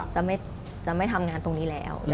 จะไม่ทำงานตรงนี้แล้ว